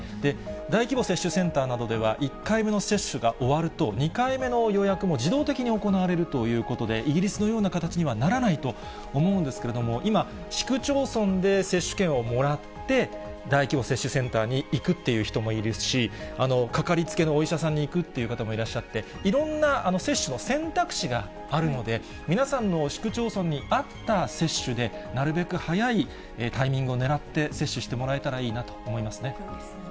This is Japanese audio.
大規模接種センターなどでは、１回目の接種が終わると、２回目の予約も自動的に行われるということで、イギリスのような形にはならないと思うんですけれども、今、市区町村で接種券をもらって、大規模接種センターに行くっていう人もいるし、掛かりつけのお医者さんに行くって方もいらっしゃって、いろんな接種の選択肢があるので、皆さんの市区町村に合った接種で、なるべく早いタイミングをねらって、接種してもらえたらいいなとそうですよね。